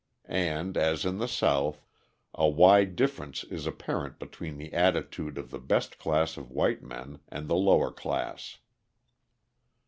And, as in the South, a wide difference is apparent between the attitude of the best class of white men and the lower class.